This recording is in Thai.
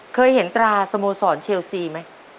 เคยเห็นตราสโมสรเชลซีไหม